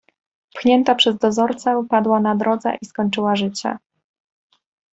pchnięta przez dozorcę, padła na drodze i skończyła życie.